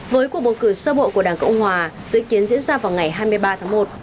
với cuộc bầu cử sơ bộ của đảng cộng hòa dự kiến diễn ra vào ngày hai mươi ba tháng một